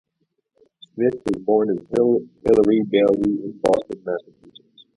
Smith was born as Hillary Bailey in Boston, Massachusetts.